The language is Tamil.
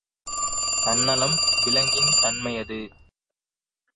தன்னலம் விலங்கின் தன்மையது.